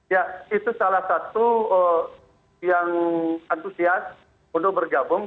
ya itu salah satu yang antusias untuk bergabung